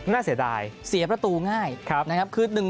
น่าเสียดายนะครับ